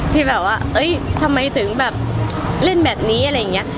ที่แบบว่าเอ้ยทำไมถึงแบบเล่นแบบนี้อะไรอย่างนี้